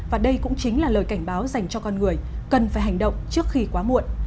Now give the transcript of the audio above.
và đây cũng chính là lời cảnh báo dành cho con người cần phải hành động trước khi quá muộn